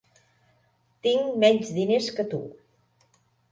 Tinc menys diners que tu.